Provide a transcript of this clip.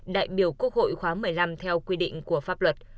đại biểu quốc hội khóa một mươi năm theo quy định của pháp luật